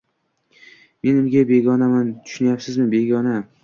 Men unga begonaman, tushunyapsizmi, begona